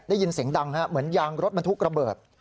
ได้ยินเสียงดังเหมือนยางรถบรรทุกระเบิด